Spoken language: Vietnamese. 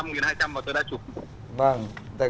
máy nikon b năm nghìn hai trăm linh mà tôi đã chụp